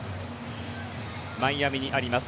マイアミにあります